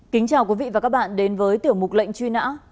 kính chào quý vị và các bạn đến với tiểu mục lệnh truy nã